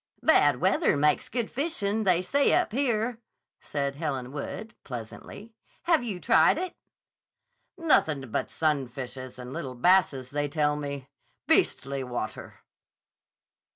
"Bad weather makes good fishing, they say up here," said Helen Wood, pleasantly. "Have you tried it?" "Nothin' but sunfishes and little basses, they tell me. Beastly water!"